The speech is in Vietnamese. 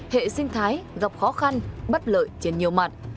hệ sinh thái gặp khó khăn bất lợi trên nhiều mặt